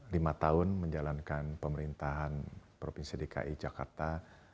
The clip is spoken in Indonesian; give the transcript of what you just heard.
lima tahun menjalankan pemerintahan provinsi dki jakarta